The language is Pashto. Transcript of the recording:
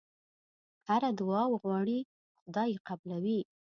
هره دعا وغواړې خدای یې قبلوي.